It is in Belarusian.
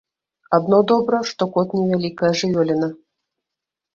Адно добра, што кот невялікая жывёліна.